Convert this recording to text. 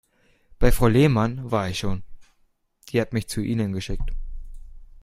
Bei Frau Lehmann war ich schon, die hat mich zu Ihnen geschickt.